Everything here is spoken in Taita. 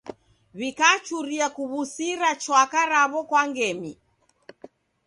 W'ikachuria kuw'usira chwaka raw'o kwa ngemi.